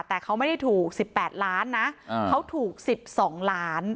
แต่เขาไม่ได้ถูกสิบแปดล้านนะเขาถูกสิบสองล้าน